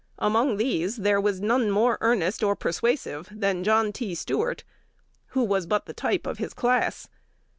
Among these there was none more earnest or persuasive than John T. Stuart, who was but the type of a class.